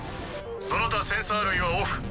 その他センサー類はオフ。